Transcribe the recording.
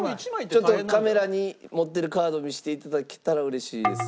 ちょっとカメラに持ってるカード見せて頂けたら嬉しいです。